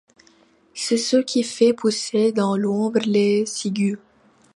C'est ce qui fait pousser dans l'ombre les ciguës.